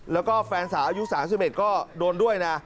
แล้วก็แฟนสาวอายุ๓๑ก็โดนด้วยนะ